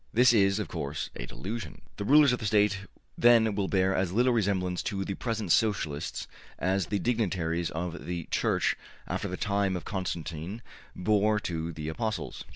This is, of course, a delusion. The rulers of the State then will bear as little resemblance to the pres ent Socialists as the dignitaries of the Church after the time of Constantine bore to the Apostles.